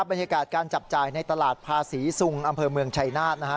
บรรยากาศการจับจ่ายในตลาดภาษีซุงอำเภอเมืองชัยนาธนะฮะ